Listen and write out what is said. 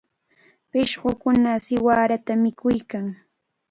Pishqukuna siwarata mikuykan.